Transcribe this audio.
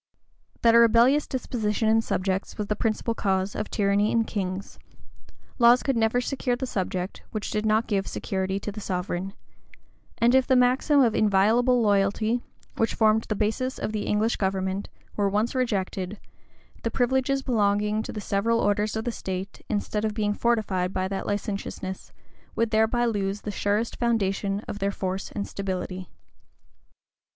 That a rebellious disposition in subjects was the principal cause of tyranny in kings; laws could never secure the subject, which did not give security to the sovereign; and if the maxim of inviolable loyalty, which formed the basis of the English government, were once rejected, the privileges belonging to the several orders of the state, instead of being fortified by that licentiousness, would thereby lose the surest foundation of their force and stability.